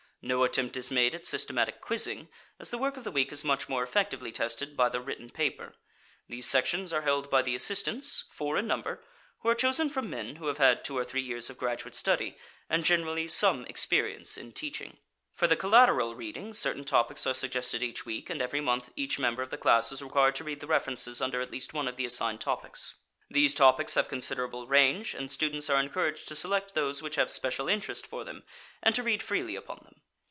No attempt is made at systematic quizzing, as the work of the week is much more effectively tested by the written paper. These sections are held by the assistants, four in number, who are chosen from men who have had two or three years of graduate study and generally some experience in teaching. For the collateral reading certain topics are suggested each week, and every month each member of the class is required to read the references under at least one of the assigned topics. These topics have considerable range, and students are encouraged to select those which have special interest for them and to read freely upon them.